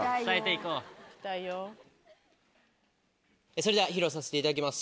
それでは披露させていただきます。